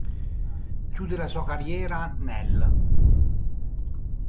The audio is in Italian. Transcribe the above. Chiude la sua carriera nell'.